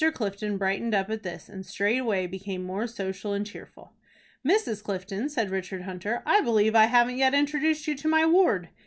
Clifton brightened up at this, and straightway became more social and cheerful. "Mrs. Clifton," said Richard Hunter, "I believe I haven't yet introduced you to my ward."